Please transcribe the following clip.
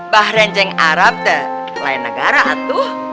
bah renjeng arab dah lain negara tuh